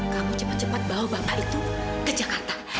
kamu cepat cepat bawa bapak itu ke jakarta